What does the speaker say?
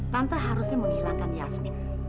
tante harusnya menghilangkan yasmin